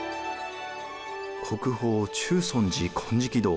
国宝中尊寺金色堂。